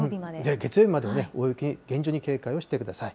月曜日まで、大雪に厳重に警戒をしてください。